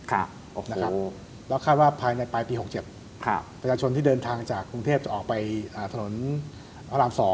แล้วคาดว่าภายในปลายปี๖๗ประชาชนที่เดินทางจากกรุงเทพจะออกไปถนนพระราม๒